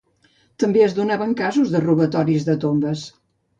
També es donaven casos de robatoris de tombes.